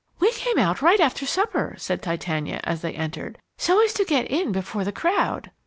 "We came out right after supper," said Titania as they entered, "so as to get in before the crowd."